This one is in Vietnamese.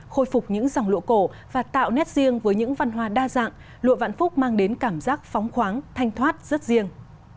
khôi phục những dòng lụa cổ và tạo nét riêng với những văn hóa đa dạng lụa vạn phúc mang đến cảm giác phóng khoáng thanh thoát rất riêng